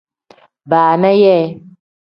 Baana yee.